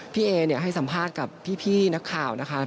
พี่เอให้สัมภาษณ์กับพี่นักข่าวนะคะ